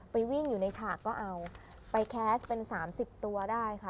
วิ่งอยู่ในฉากก็เอาไปแคสต์เป็น๓๐ตัวได้ค่ะ